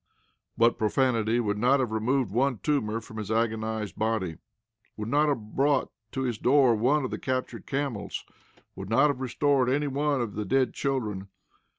But profanity would not have removed one tumor from his agonized body; would not have brought to his door one of the captured camels; would not have restored any one of the dead children.